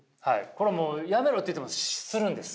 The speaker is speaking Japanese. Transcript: これもうやめろと言ってもするんです